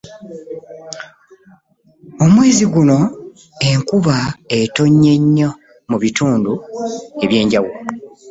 Omwezi guno enkuba etonnye nnyo mu bitundu eby'enjawulo.